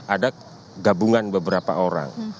ada gabungan beberapa orang